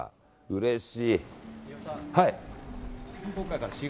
うれしい。